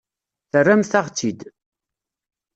Terramt-aɣ-tt-id.